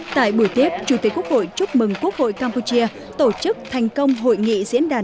tại buổi tiếp chủ tịch quốc hội chúc mừng quốc hội campuchia tổ chức thành công hội nghị diễn đàn